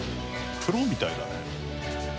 「プロみたいだね」